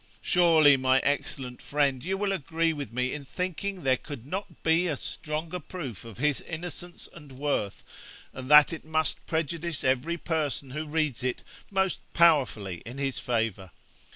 Surely, my excellent friend, you will agree with me in thinking there could not be a stronger proof of his innocence and worth, and that it must prejudice every person who reads it most powerfully in his favour.